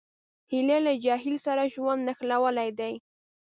هیلۍ له جهیل سره ژوند نښلولی دی